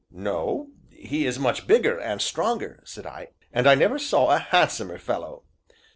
"No; he is much bigger, and stronger!" said I, "and I never saw a handsomer fellow."